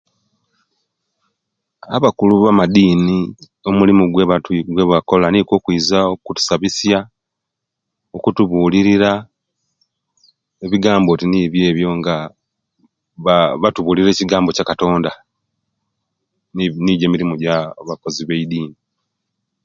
Abakulu abamadini omulimu ogwebakola nikwo okwiza okutusabisya okutubulirira ebigambo oti nibyo ebyo ba batubulira ekigambo kyakatonda nijo emirimu ejabakozi abedini